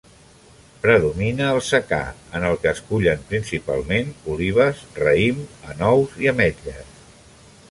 Predomina el secà, en el que es cullen principalment, olives, raïm, anous i ametles.